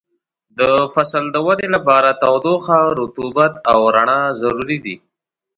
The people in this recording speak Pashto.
د فصل د ودې لپاره تودوخه، رطوبت او رڼا ضروري دي.